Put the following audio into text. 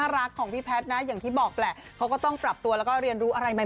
ชอบผ่าน